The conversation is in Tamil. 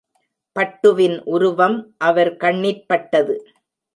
பட்டுவின் உருவம் அவர் கண்ணிற்பட்டது.